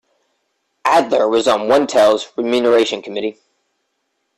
Adler was on OneTel's remuneration committee.